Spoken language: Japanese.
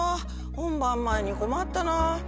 本番前に困ったな。